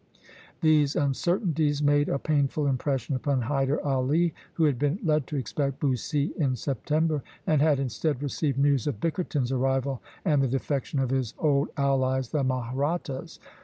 These uncertainties made a painful impression upon Hyder Ali, who had been led to expect Bussy in September, and had instead received news of Bickerton's arrival and the defection of his old allies, the Mahrattas.